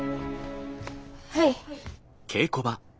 はい。